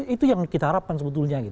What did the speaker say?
itu yang kita harapkan sebetulnya